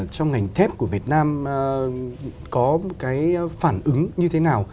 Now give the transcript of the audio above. trong ngành thép của việt nam có cái phản ứng như thế nào